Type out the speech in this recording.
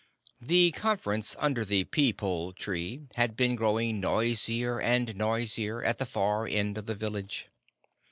The conference under the peepul tree had been growing noisier and noisier, at the far end of the village.